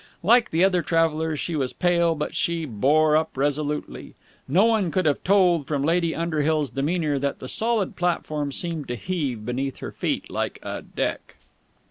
Like the other travellers, she was pale, but she bore up resolutely. No one could have told from Lady Underhill's demeanour that the solid platform seemed to heave beneath her feet like a deck.